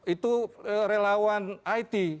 itu relawan it